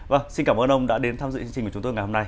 vâng xin cảm ơn ông đã đến tham dự